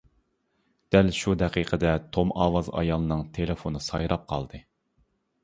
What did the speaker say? دەل شۇ دەقىقىدە توم ئاۋاز ئايالنىڭ تېلېفونى سايراپ قالدى.